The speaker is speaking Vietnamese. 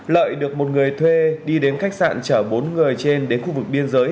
lợi được một người thuê đi đến khách sạn chở bốn người trên đến khu vực biên giới